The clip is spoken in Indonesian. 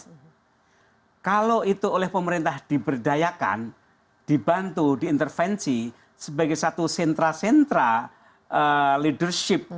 hai kalau itu oleh pemerintah diberdayakan dibantu diintervensi sebagai satu sentra sentra leadership